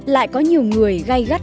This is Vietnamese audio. lại có nhiều người gây gắt